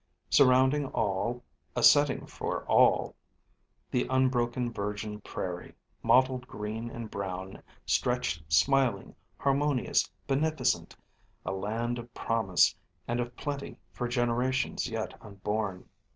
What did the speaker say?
Surrounding all, a setting for all, the unbroken virgin prairie, mottled green and brown, stretched, smiling, harmonious, beneficent; a land of promise and of plenty for generations yet unborn.